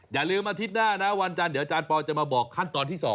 อย่าลืมอาทิตย์หน้านะวันจันทร์เดี๋ยวอาจารย์ปอลจะมาบอกขั้นตอนที่๒